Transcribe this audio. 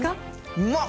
うまっ。